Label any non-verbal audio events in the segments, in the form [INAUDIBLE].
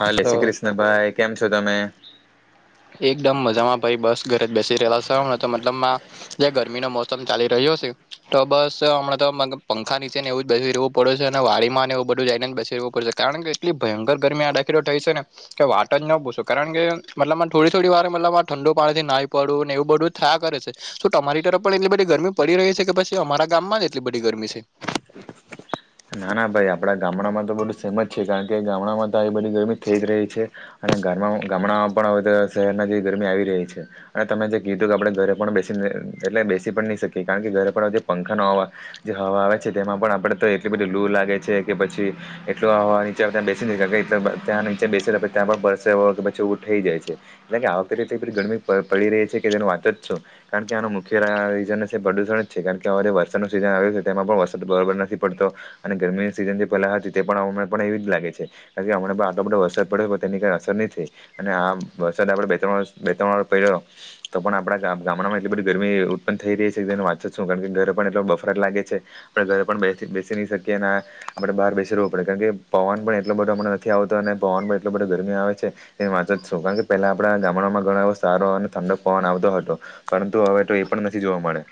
હા તો લસી કૃષ્ણ ભાઈ કેમ છો તમે? એકદમ મજામાં ભાઈ બસ ઘરે જ બેસી રેલા સ અવે તો મતલબ માં જે ગરમીનો મોસમ ચાલી રહ્યો તો બસ હમણા, તો પંખા નીચે નેવુંજ બસ રેવું પડે છે, અને વાડી ને એવું બધું જઈ ને વ પડશે કારણ કે એટલી ભયંકર ગરમી આ દાખીલો થઈ છેને, કે વાટ જ ન પૂછું કારણ કે મતલબ થોડી, થોડી વાર મતલબમાં ઠંડો પાણીથી નાહી, પડું ને એવું બધું થ કરે તો તમારી તરફ પણ એટલી બધી ગરમી પડી રહી છે, કે પછી અમારા ગામમાં જ એટલી બધી ગરમી છે. ના ના ભાઈ આપડા ગામડામા, તો બધ સેમ જ છે, કારણ કે ગામડામાં તો આવી બધી ગરમી થઈ જ રહી છે. ઘરમાં ગામડા પણ હવે, શહેરમાં જે ગરમી આવી રહી છે, અને તમે જે કીધું કે આપણે ઘરે પણ બેસીને એટલે બેસી પણ નહી, શકીએ કારણ કે ઘરે પણ જે પંખાનોવા જે હવા, આવે છે, તેમાં પણ આપણેે તો એટલી બધી લૂ લાગે છે, કે પછી એટલું નીચે ત્યાં બેસી નથી, કાર ત્યાં નીચે બેસીછ ત્યાં પણ વરસે હો, કે પછી થઈ જાય છે, એટલે કે આ વખતેતે ગરમી પડી રહી છે, કે તે વાત જ છો કારણ મુખ્ય રીઝન છે, પ્રદુષણ જ છે, કારણ કે હ વરસાદ ન સિઝન આવ્યું છે, તેમાં પણ વરસાદ બરોબર નથી પડતો અને ગરમીની સીઝન જે પેલા હતી, તે પણ અ હમણાં પણ એવીજ લાગે છે, કારણ કે હમણા આટલો બટો વરસાદ પડ્યો તેની કઈ અસર નહી, થઈ અને આ વરસાદ આપડણે બે ત્રણ બે ત્રણ વરષ પડ્યો તો પણ આપણા ગામમાં આટલી બધી ગરમી ઉત્પન્ થય રહી છે, વાંચત શું કારણ કે ઘર પણ એટ બફરાત લાગે છે, પણ ઘર પણ બે બેસી નહી શકીએ અને આપણે બહાર બેસી રવું પડે કારણ કે, પવન પણ એટલો બધો અમને નથી, આવતો અને પવન પણ એટલો બો આપ ગરમી આવે છે, એ વાત જ શુ કારણ કે પેલા આપણા ગામણમાં ઘણો એો સારો અને ઠંડક પવન આવતો હતો પરંતુ હવે, તો એ પણ નથી, જોવા મળે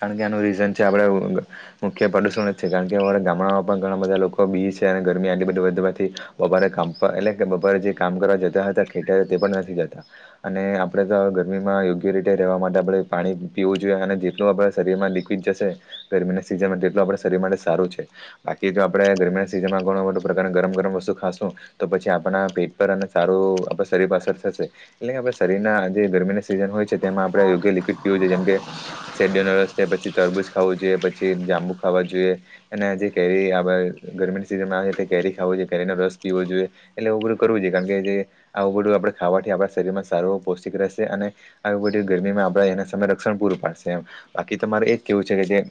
કારણ કે આનું રીઝન છે, આપણે મુખ્ય પ્રદુષણ છે, કારણ કે અમારા ગામડામાં પણ ઘણા બધા લોકો બી છે, અને ગરમી આટલી બધી વધવાથી બપોરે કામ પર થી એટલે જે બપોરે જે કામ કરવા જતા હતા ખેતરે તે પણ નથી જતા અને આપણેે તો ગરમીમાં યોગ્ય રીતે રહેવા, માટે આપડણે પાણી પીવું જોઈએ, અને જેટલું આપણે શરીરમા લિક્વિડ જશે ગરમીના સિઝનમાં, જેટલું આપ શરીર માટે સારું છે, બાકી જો આપણે ગરમીના સીઝનમાં ઘણ બધ પ્ર ગરમ ગરમ વસ્તુ ખાશું, તો પછી આપ આપણા પેટ પર અને સારું આપણા શરીર પર અસર થશે, એટલે કે આપે શરીર ના જે ગરમીના સિઝન હોય, છે તેમાં આપણે યોગ્ય લિક્વિડ પીવું જોઈએ, જેમકે સેડ્યનરતે પછી તરબૂજ ખાવું જોઈએ પછી જાંબુ ખ ખાવા જોઈએ, અને જે કેરી આ ગરમીની સિઝનમાં આવે છે તે કેરી ખાવ જોઈએ કેરીનો રસ પીવો જોઈએ. એટલે ઉગડું કરવું જોઈએ, કારણ, કે આ ઉઘડું આપડણે ખાવાથી આપણા શરીરમાં સારું પૌષ્ટિક રહેશે અને આ ગરમીમા આપ એના સમય રક્ષણ પૂરું પાડશે, બાકી તમારે એ કેવું છે, કે જે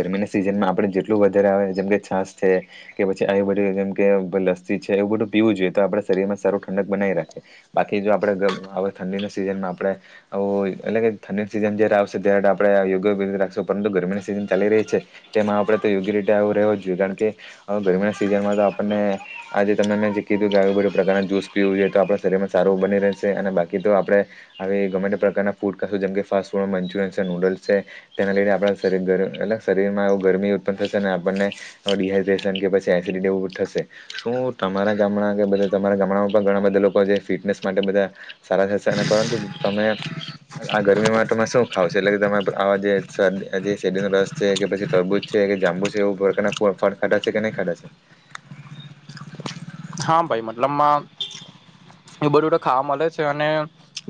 ગરમીને સીઝનમાં આપડણે જેટલું વધારે આવે જેમ કે છાસ છે, કે પછી આયુર્વેદિક જેમ કે લસ્સી છે, એવું બધું પીવું જોઈએ, તો આપણા શરીરમાં સારું ઠંડક, બનાવી રાખે બાકી જો આપણે ઠંડીના સીઝનમાં આપણેે એટલે કે ઠંડી સીઝન જયારે, આવશે ત્યારે આપણે યોગ્યી રાખશ પરંતુ ગરમીના સિઝન ચાલી રહી છે, તેમાં આપણેે તો યોગ્ય રીતે આવ રહેવો જોઈએ કારણ કે ગરમી [UNINTELLIGIBLE] આપને આજે તમે કીધું કે આવુ બધું પ્રકારના જ્યુસ પીવું છુ તો આપણા શરીરમાં સારું બની રહેશે, અને બાકી તો આપણેે આવી ગમે પ્રકાર ના ફૂડ જેમ કે ફાસ્ટ ફૂડ મંચુરિયન છે, નૂડલ્સ છે, તેના લયને આપણા શરીર [UNINTELLIGIBLE] એટલે શરીરમાં ગરમી ઉત્પન્ થશે, ને આપણ ને ડીહાઈડ્રેશન કે પછી એસીટીવ થશે શું તમારા ગામમાં કે તમારા ગમડામાં પણ ઘણા બધા લોકો જે ફિટનેસ માટે બધા સારા થશે, અને પરંતુ તમે આ ગરમીમાં તમે શું ખાવ છો, એટલે કે તમા આવા જે શેરડી જે શેરડીનો રસ છે, કે પછી તરબૂજ છે કે, જાંબુ છે, એવું ઉપર કે ફ ફળ ખાધા છે કે નહી ખાધા છે. હા, ભાઈ મતલબમાં એ બધું ખાવા મળે. છે અને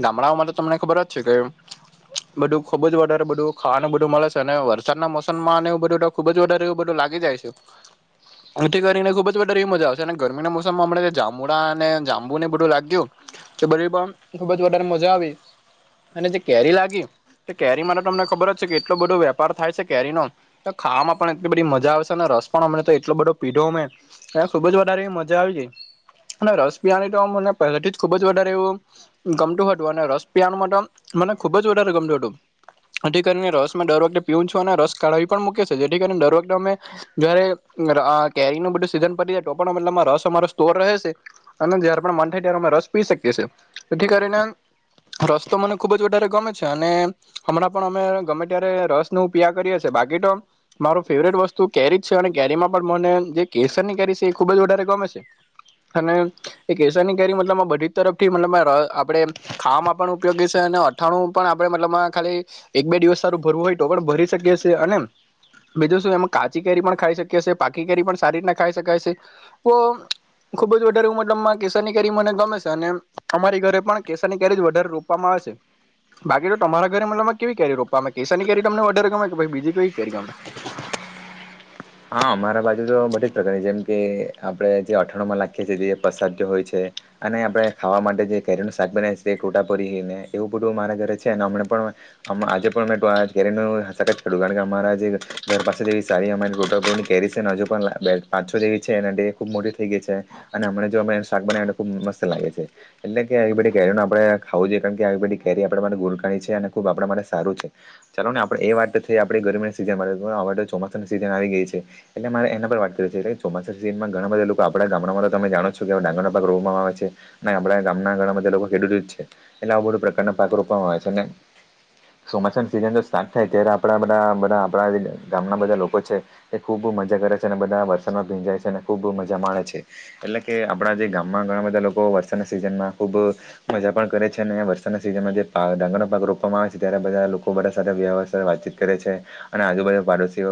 ગામડાઓમાં તો તમને ખબર જ છે, કે બધું ખુબજ વધારે બધું ખાવાનું બધું મળે છે, અને વરસાદના મોસમમાંવ બધું ખુબજ વધારે એવું બધું લાગે જેથી કરી ને ખુબજ વ એવી, મજા આવશે અને ગરમીના મોમ [UNINTELLIGIBLE] જામુડા, અને જાંબુ ને બધું લાગ્યું તે બધી પણ ખુબજ વધારે મજા આવી, અને જે કેરી લાગી કેરીમાં તો તમને ખબર જ છે, કે કેટલો બધો વેપાર થાય છે, કેરીનો તો ખાવામાં પણ એટલી બધી મજા આવશે ને રસ પણ અમને, તો એટલો બધો પીધો અમે ખુબજ વધારે, એવી મજા આવી ગય - અને રસ પિયાની, તો મને પહેલાથી ખુબ જ વધારે એવું ગમતું હતું અને રસ પિયાનુંમાં તો આમ મને ખુબજ વધારે, ગમતુ હતુ જેથી કરીને રસમા દર વખતે પીવું છું, અને રસ કાઢાવી પણ મૂકે છે, જેથી કરીને દર વખતે અમે જારે કેરીનુ બધું સીઝન પડી જાય, તો પણ મતલબ માં રસ તો મારો સ્ટોર રહે છે અને જ્યારે પણ માન થાય, ત્યારે અમે રસ પી શકીયે છે તેથી, કરીને રસ તો મને ખુબજ વધારે ગમે છે, અને હમણા પણ અમે ગમે ત્યારે રસ ન પિયા કરીએ છીએ. બાકી તો મારો ફેવરેટ વસ્તુ કેરી છે અને કેરીમાં પણ મને જે કેસર ની કેરી છે એ ખુબ જ વધારે ગમે છે [INAUDIBLE] અને એ કેસરની કેરી મતલબ બધી જ તરફ થી મતલબ આપણે ખાવામાં પણ ઉપયોગી છે અઠાણું પણ આપડે મતલબમાં ખાલી એક બે દિવસ સારું ભરવું હોય તો પણ ભરી શકીએ છે અને બીજું શું એમાં કાચી કેરી પણ ખાઈ શકીએ છે પાકી કેરી પણ સારી રીતના ખાઈ શકાય છે તો ખુબ જ વધારે મતલબમાં કેસરની કેરી મને ગમે છે અને અમારી ઘરે પણ કેસર ની કેરી જ વધારે રો પવામાં આવે છે બાકી તો તમારા ઘરે મતલબ મા કેવી કેરી રોપવામા કેસાની કેરી તમને ઓર ગમે કે બીજી કેવી કેરી ગમે હમ [INAUDIBLE] હા અમારા બાજુ તો બધી જ પ્રકારની જેમ કે આપડે જે અથણોમાં નાખીએ છીએ જે પસાદ હોય છે અને આપણે ખાવા માટે જે કેરી નુ શાક બનાવી છે ટોટા પરી ને એવું બધું મારા ઘરે છે અને હમ પણ આજે પણ મેંત ખડ્યું કારણ કે અમારા જે ઘર પાસે જેવી સારી અમારી કેરી છેને હજુ પણ પાછો જેવી છે એ ખુબ મોટી થઈ ગઈ છે અને હમ જો શાક બના ખબ મત લાગે છે એટલે કે આવી બધી કેરી ન આપડણે ખાવું જોઈએ કારણ કે આ બધી કેરી આપણે માટે ગોલકા છે અને ખબ આપણા માટે સારું છે ચાલો ને આપણે એ વાત થ આપણે ગરમીની સિઝન ચોમાસાની સીઝન આવી ગઈ છે એટ મારે એના પર વાત કરી છે ચોમાસા સિઝનમાં ઘણા બધા લોકો આપડા ગામડામાં તો તમે જાણો છો કે ડારના પાક રોમાં આવે આપણા ગામના ગળમાં જે લોકો ખેડૂત જ છે એટલે આવ બધો પ્રકારના પાકો રોવામાં આવે છે અને ચોમાસાની સિઝન જો સ્ટાર્ટ થાય ત્યારે આપણા બધા બધા આપણા ગામના બધા લોકો છે એ ખૂબ મજા કરે છે અને બધા વરસાદમાં ભીંજાય છે અને ખૂબ મજા માણેે છે એટલે કે આપણા જે ગામમાં ઘણા બધા લોકો વરસાદના સિઝનમાં ખૂબ મજા પણ કરે છે અનેં વરસાદના સિઝનમાં જે ડાંગરનો પાક રો આવે છે ત્યારે બધા લોકો બધા સાથે [UNINTELLIGIBLE] વાતચીત કરે છે અને આજુબાજુ પાડોશીઓ